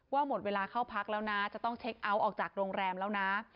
หมดเวลาเข้าพักแล้วนะจะต้องเช็คเอาท์ออกจากโรงแรมแล้วนะ